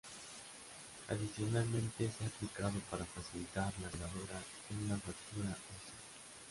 Adicionalmente se ha aplicado para facilitar la soldadura en una fractura ósea.